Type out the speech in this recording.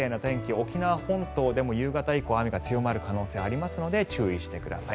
沖縄本島でも夕方以降雨が強まる可能性がありますので注意してください。